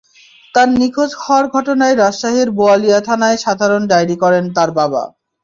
তখন নিখোঁজ হওয়ার ঘটনায় রাজশাহীর বোয়ালিয়া থানায় সাধারণ ডায়রি করেন তাঁর বাবা।